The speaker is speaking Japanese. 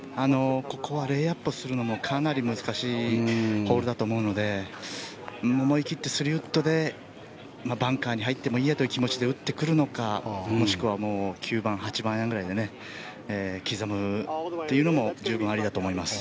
ここはレイアップするのもかなり難しいホールだと思うので思い切って３ウッドでバンカーに入ってもいいやという気持ちで打ってくるのか、もしくは９番、８番アイアンくらいで刻むというのも十分ありだと思います。